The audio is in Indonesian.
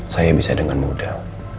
saya bisa dengan mudah